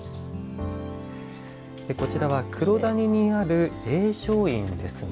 こちらは黒谷にある栄摂院ですね。